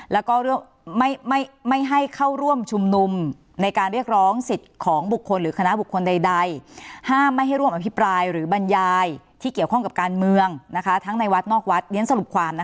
แล้วก็ไม่ให้เข้าร่วมชุมนุมในการเรียกร้องสิทธิ์ของบุคคลหรือคณะบุคคลใดห้ามไม่ให้ร่วมอภิปรายหรือบรรยายที่เกี่ยวข้องกับการเมืองทั้งในวัดนอกวัดเรียนสรุปความ